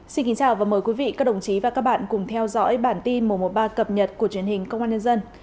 xin kính chào và mời quý vị các đồng chí và các bạn cùng theo dõi bản tin một trăm một mươi ba cập nhật của truyền hình công an nhân dân